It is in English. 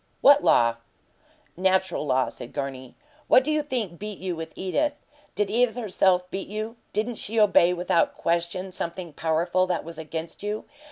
"What law?" "Natural law," said Gurney. "What do you think beat you with Edith? Did Edith, herself, beat you? Didn't she obey without question something powerful that was against you?